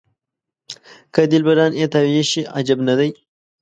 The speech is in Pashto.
که دلبران یې تابع شي عجب نه دی.